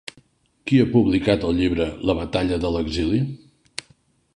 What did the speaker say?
Qui ha publicat el llibre La batalla de l'exili?